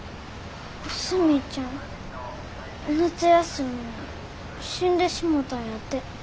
スミちゃん夏休みに死んでしもたんやて。